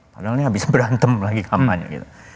padahal ini habis berantem lagi kampanye gitu